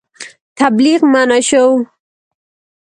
تبلیغ منع شو.